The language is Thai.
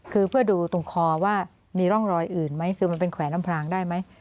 คือเพื่อดูตรงคอว่ามีร่องรอยอื่นไหมคือมันเป็นแขวนอำพลางได้ไหม